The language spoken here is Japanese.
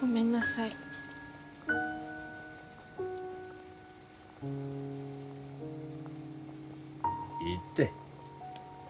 いいって。